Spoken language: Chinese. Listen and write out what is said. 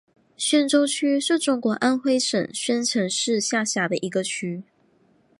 宣州区是中国安徽省宣城市下辖的一个区。